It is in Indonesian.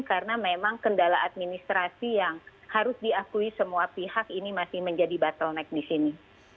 karena memang kendala administrasi yang harus diakui semua pihak ini masih menjadi bottleneck di sini